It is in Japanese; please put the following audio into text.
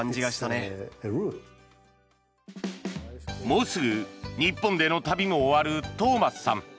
もうすぐ日本での旅も終わるトーマスさん。